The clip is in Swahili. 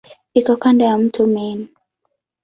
Iko kando ya mto Main.